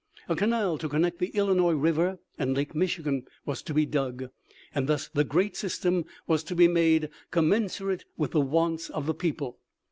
A canal to connect the Illinois River and Lake Michigan was to be dug, and thus the great system was to be made "commensurate with the wants of the people."